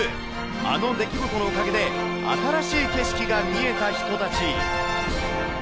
あの出来事のおかげで新しい景色が見えた人たち。